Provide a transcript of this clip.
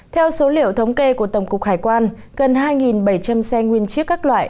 theo số liệu thống kê của tổng cục hải quan gần hai bảy trăm linh xe nguyên chiếc các loại